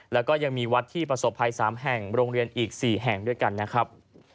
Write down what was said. แล้วก็ยังมีวัดที่ประสบภัย๓แห่งโรงเรียนอีก๔แห่งด้วยกันนะครับ